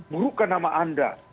murukkan nama anda